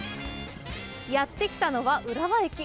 やって来たのは浦和駅。